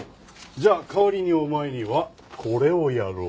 じゃあ代わりにお前にはこれをやろう。